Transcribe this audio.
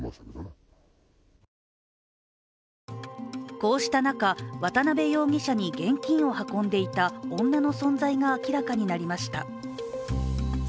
こうした中、渡辺容疑者に現金を運んでいた女の存在が明らかになりました。